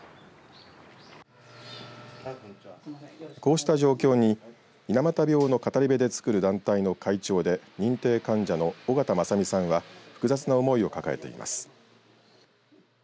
こうした状況に水俣病の語り部でつくる団体の会長で認定患者の緒方正実さんは複雑な思いを抱えています。